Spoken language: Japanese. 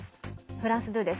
フランス２です。